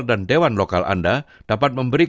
jadi ketika anda berjalan ke australia